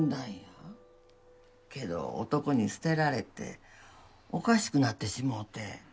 けど男に捨てられておかしくなってしもうて。